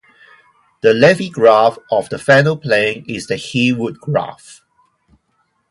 The Levi graph of the Fano plane is the Heawood graph.